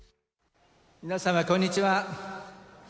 皆様こんにちは。